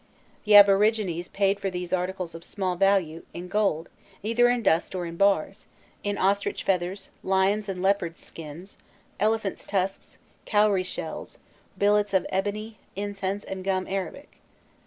The aborigines paid for these articles of small value, in gold, either in dust or in bars, in ostrich feathers, lions' and leopards' skins, elephants' tusks, cowrie shells, billets of ebony, incense, and gum arabic.